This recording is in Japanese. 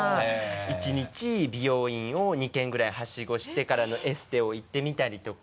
１日美容院を２軒ぐらいはしごしてからのエステを行ってみたりとか。